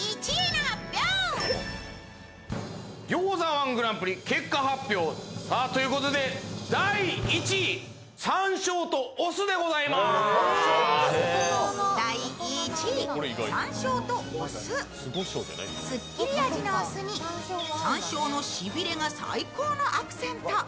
餃子−１グランプリ、結果発表、ということで第１位すっきり味のお酢にさんしょうのしびれが最高のアクセント。